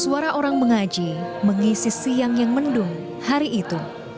suara orang mengaji mengisi siang yang mendung hari itu